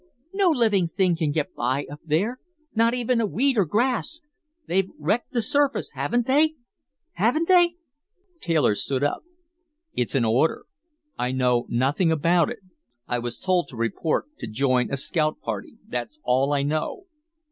No living thing can get by up there, not even a weed, or grass. They've wrecked the surface, haven't they? Haven't they?" Taylor stood up. "It's an order. I know nothing about it. I was told to report to join a scout party. That's all I know."